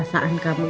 aku akan mencarimu